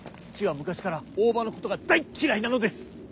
父は昔から大庭のことが大嫌いなのです。